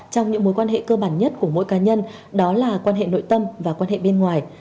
trong những mối quan hệ cơ bản nhất của mỗi cá nhân đó là quan hệ nội tâm và quan hệ bên ngoài